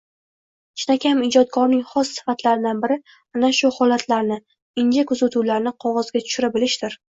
Chinakam ijodkorning xos sifatlaridan biri ana shu holatlarni, inja kuzatuvlarni qogʻozga tushira bilishdir